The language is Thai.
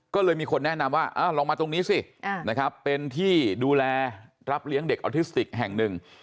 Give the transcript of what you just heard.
ก็เลยมีคนแนะนำว่าลองมาตรงนี้สินะครับเป็นที่ดูแลรับเลี้ยงเด็กออทิสติกแห่งหนึ่ง